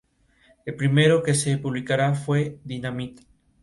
Establecido en Madrid, se dedicó a trabajos profesionales.